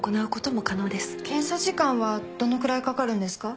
検査時間はどのくらいかかるんですか？